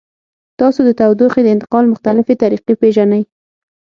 تاسو د تودوخې د انتقال مختلفې طریقې پیژنئ؟